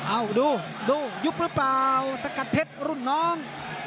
ดูดูยุบหรือเปล่าสกัดเพชรรุ่นน้อง